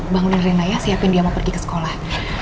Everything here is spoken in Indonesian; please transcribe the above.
bangunin rina ya siapin dia mau pergi ke sekolah